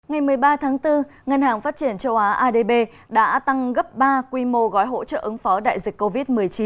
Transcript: ngày một mươi ba tháng bốn ngân hàng phát triển châu á adb đã tăng gấp ba quy mô gói hỗ trợ ứng phó đại dịch covid một mươi chín